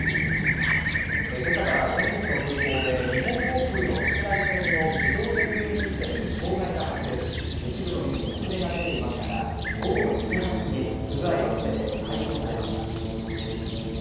けさから全国の空港で、日本航空の国内線の自動チェックインシステムに障害が発生し、一部の便に遅れが出ていましたが、午後２時半過ぎ、不具合はすべて解消されました。